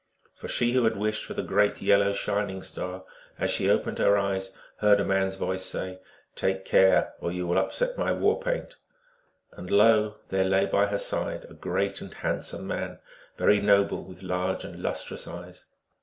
For she who had wished for the Great Yellow Shining Star, as she opened her eyes, heard a man s voice say, " Take care, or you will up set my war paint !" 1 And lo, there lay by her side a great and handsome man, very noble, with large and lustrous eyes.